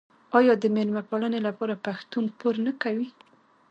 آیا د میلمه پالنې لپاره پښتون پور نه کوي؟